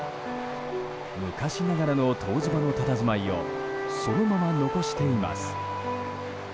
昔ながらの湯治場のたたずまいをそのまま残しています。